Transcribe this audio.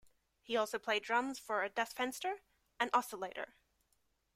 He also played drums for Das Fenster and Oscillator.